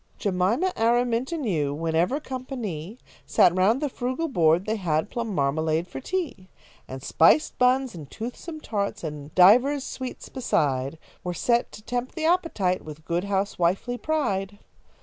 Jemima Araminta knew Whenever company Sat round the frugal board, they had Plum marmalade for tea. And spiced buns and toothsome tarts, And divers sweets beside, Were set to tempt the appetite With good housewifely pride.